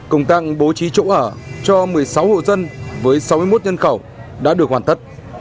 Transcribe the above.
công tặng bố trí chỗ ở cho một mươi sáu hộ dân với sáu mươi một nhân khẩu đã được hoàn tất